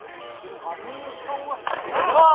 羽生さんはあっ！